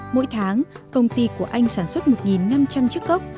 mỗi tháng công ty của anh sản xuất một năm trăm linh chiếc cốc